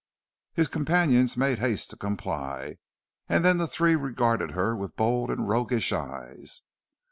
His companions made haste to comply and then the three regarded her with bold and roguish eyes.